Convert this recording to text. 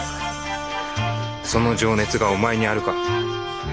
「その情熱がお前にあるか？」